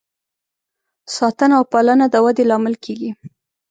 ساتنه او پالنه د ودې لامل کیږي.